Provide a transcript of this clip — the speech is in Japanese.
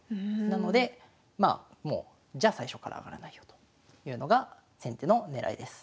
なのでまあもうじゃあ最初から上がらないよというのが先手の狙いです。